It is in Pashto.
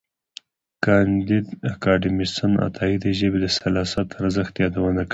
کانديد اکاډميسن عطايي د ژبې د سلاست ارزښت یادونه کړې ده.